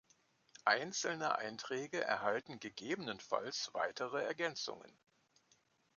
Einzelne Einträge erhalten gegebenenfalls weitere Ergänzungen.